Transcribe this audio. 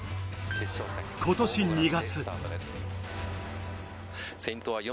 今年２月。